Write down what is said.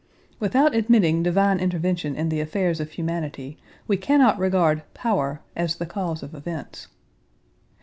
Without admitting divine intervention in the affairs of humanity we cannot regard "power" as the cause of events.